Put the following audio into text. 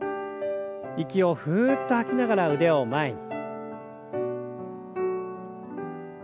息をふっと吐きながら腕を前に。